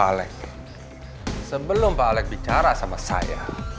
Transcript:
pak alek sebelum pak alek bicara sama saya